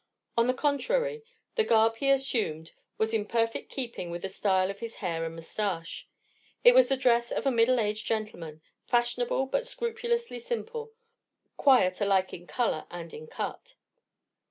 On the contrary, the garb he assumed was in perfect keeping with the style of his hair and moustache. It was the dress of a middle aged gentleman; fashionable, but scrupulously simple, quiet alike in colour and in cut.